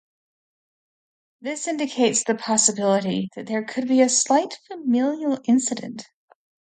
This indicates the possibility that there could be a slight familial incidence.